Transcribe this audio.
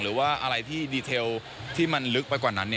หรือว่าอะไรที่รายละเอียดที่มันลึกไปกว่านั้น